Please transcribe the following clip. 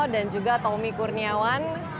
dan juga tommy kurniawan